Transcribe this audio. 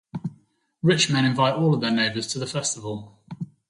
Rich men invite all their neighbors to the festival.